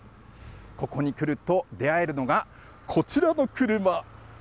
ここに来ると出会えるのが、こちらの車。